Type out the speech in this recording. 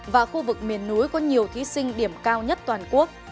và khu vực miền núi có nhiều thí sinh điểm cao nhất toàn quốc